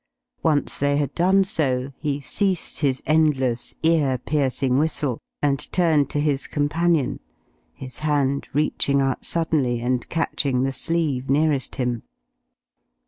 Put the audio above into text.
Once they had done so, he ceased his endless, ear piercing whistle and turned to his companion, his hand reaching out suddenly and catching the sleeve nearest him.